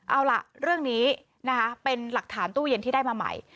เอาล่ะเรื่องนี้นะคะเป็นหลักฐานตู้เย็นที่ได้มาใหม่